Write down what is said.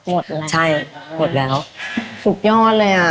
สุดยอดเลยอะ